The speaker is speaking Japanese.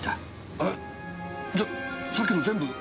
えじゃさっきの全部嘘？